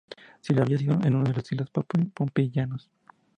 Sí lo había sido en uno de los estilos pompeyanos.